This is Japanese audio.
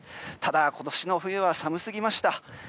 ただ、今年の冬は寒すぎました。